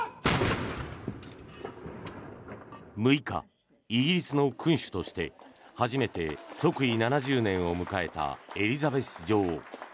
６日、イギリスの君主として初めて即位７０年を迎えたエリザベス女王。